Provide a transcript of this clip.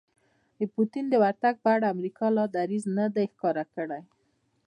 د پوتین د ورتګ په اړه امریکا لا دریځ نه دی ښکاره کړی